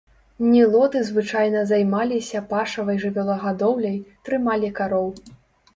Нілоты звычайна займаліся пашавай жывёлагадоўляй, трымалі кароў.